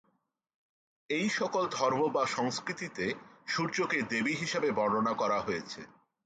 এই সকল ধর্ম বা সংস্কৃতিতে সূর্যকে দেবী হিসেবে বর্ণনা করা হয়েছে।